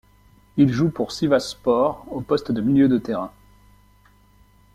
Il joue pour Sivasspor au poste de milieu de terrain.